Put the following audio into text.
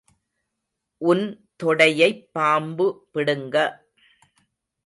உன் தொடையைப் பாம்பு பிடுங்க.